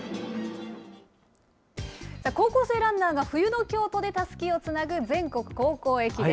高校生ランナーが、冬の京都でたすきをつなぐ全国高校駅伝。